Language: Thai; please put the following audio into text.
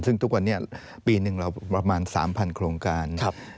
ซึ่งทุกวันนี้ปีหนึ่งเราประมาณ๓๐๐โครงการ